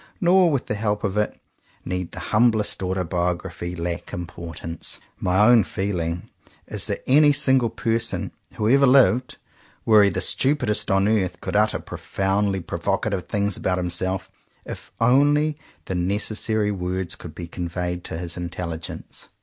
Nor with the help of it need the humblest autobiography lack importance. My own feeling is that any single person who ever lived, were he the stupidest on earth, could utter profoundly provocative things about himself — if only the necessary words could be conveyed to his intelligence.